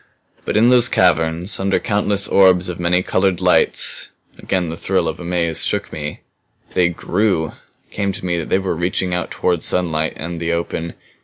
"But in those caverns, under countless orbs of many colored lights" again the thrill of amaze shook me "they grew. It came to me that they were reaching out toward sunlight and the open.